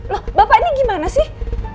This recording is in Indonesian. loh bapak ini gimana sih